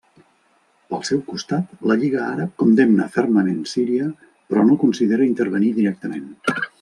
Pel seu costat, la Lliga Àrab condemna fermament Síria però no considera intervenir directament.